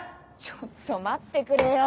ちょっと待ってくれよ。